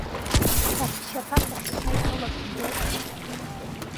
Саҳәшьаԥа сахьхаигалаз ббома…